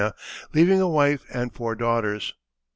leaving a wife and four daughters.